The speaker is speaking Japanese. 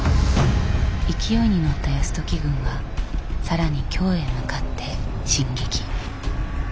勢いに乗った泰時軍は更に京へ向かって進撃。